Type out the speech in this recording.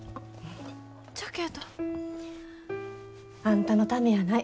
じゃけど。あんたのためやない。